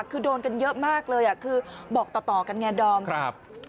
คือโดนกันเยอะมากเลยคือบอกต่อกันไงดอมครับ